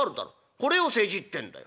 これを世辞ってんだよ」。